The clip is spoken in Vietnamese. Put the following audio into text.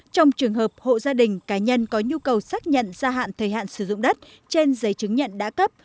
trong trường hợp hộ gia đình cá nhân có nhu cầu xác nhận gia hạn thời hạn sử dụng đất trên giấy chứng nhận đã cấp